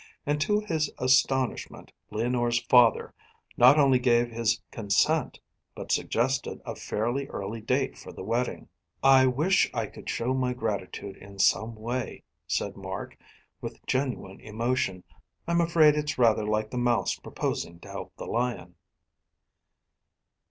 And to his astonishment Leonore's father not only gave his consent, but suggested a fairly early date for the wedding. "I wish I could show my gratitude in some way," said Mark with genuine emotion. "I'm afraid it's rather like the mouse proposing to help the lion."